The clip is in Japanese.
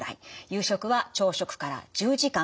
夕食は朝食から１０時間。